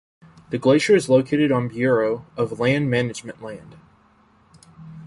The glacier is located on Bureau of Land Management land.